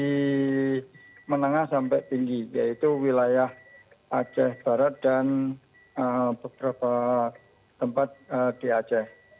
dari menengah sampai tinggi yaitu wilayah aceh barat dan beberapa tempat di aceh